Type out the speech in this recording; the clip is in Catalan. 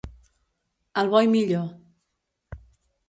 El bo i millor.